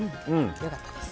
よかったです。